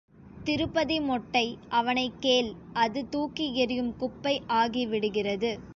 திருப்பதி மொட்டை அவனைக் கேள் அது தூக்கி எறியும் குப்பை ஆகிவிடுகிறது.